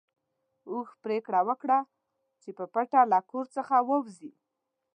اوښ پرېکړه وکړه چې په پټه له کور څخه ووځي.